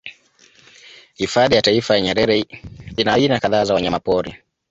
Hifadhi ya Taifa ya Nyerere ina aina kadhaa za wanyamapori